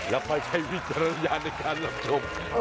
แล้วค่อยใช้วิจารณญาณในการรับชม